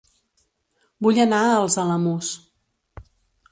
Vull anar a Els Alamús